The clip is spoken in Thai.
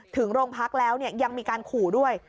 ถึงโรงพักแล้วยังมีการขู่ด้วย